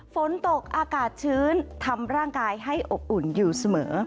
ฝนตกอากาศชื้นทำร่างกายให้อบอุ่นอยู่เสมอ